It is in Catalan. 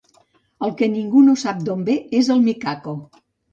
El que ningú no sap d'on ve és el micaco.